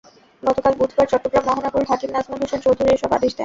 গতকাল বুধবার চট্টগ্রাম মহানগর হাকিম নাজমুল হোসেন চৌধুরী এসব আদেশ দেন।